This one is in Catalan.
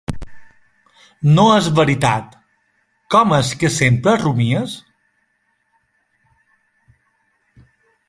No és veritat. Com és que sempre rumies?